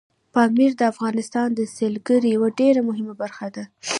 پامیر د افغانستان د سیلګرۍ یوه ډېره مهمه برخه ده.